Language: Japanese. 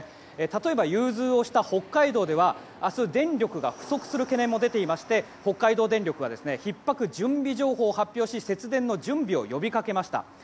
例えば、融通をした北海道では明日、電力が不足する懸念も出ていまして北海道電力はひっ迫準備情報を発表し節電の準備を呼びかけました。